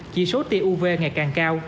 chỉ số tuv ngày càng cao